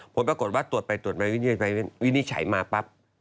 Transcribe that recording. ผลปรากฏว่าตรวจไปตรวจไปวินิจฉัยมาปั๊บ